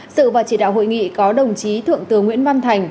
sự và chỉ đạo hội nghị có đồng chí thượng tướng nguyễn văn thành